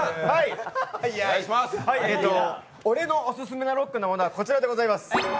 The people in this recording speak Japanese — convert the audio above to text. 俺のオススメなロックなものはこちらでございます。